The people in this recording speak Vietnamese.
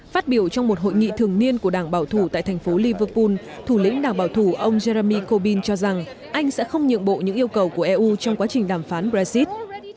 phát biểu trong một hội nghị thường niên của đảng bảo thủ tại thành phố liverpool thủ lĩnh đảng bảo thủ ông jeremy corbyn cho rằng anh sẽ không nhượng bộ những yêu cầu của eu trong quá trình đàm phán brexit